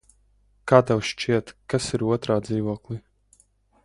Kā tev šķiet, kas ir otrā dzīvoklī?